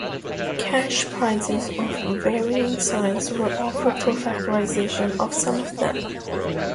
Cash prizes of varying size were offered for factorization of some of them.